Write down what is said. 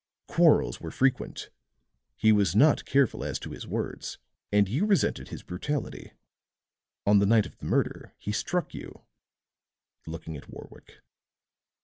Quarrels were frequent; he was not careful as to his words and you resented his brutality. On the night of the murder he struck you," looking at Warwick.